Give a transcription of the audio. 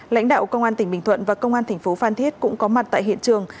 lãnh đạo công an tỉnh bình thuận và công an thành phố phan thiết cũng có mặt tại hiện trường